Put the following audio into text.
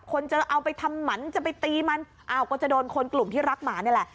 คนจะเอาไปทำหมันจะไปตีมันอ้าวก็จะโดนคนกลุ่มที่รักหมานี่แหละ